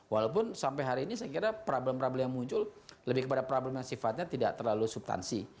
walaupun sampai hari ini saya kira problem problem yang muncul lebih kepada problem yang sifatnya tidak terlalu subtansi